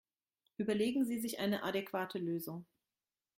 Überlegen Sie sich eine adäquate Lösung!